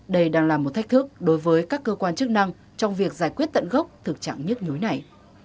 đây đang là một thách thức đối với các cơ quan chức năng trong việc giải quyết tận gốc thực trạng nhức nhối này